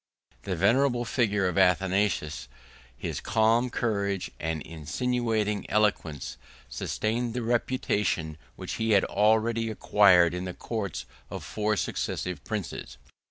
The venerable figure of Athanasius, his calm courage, and insinuating eloquence, sustained the reputation which he had already acquired in the courts of four successive princes.